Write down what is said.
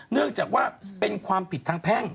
เนื่องจากว่าเป็นความผิดทางแพ่ง